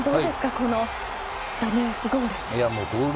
このダメ押しゴール。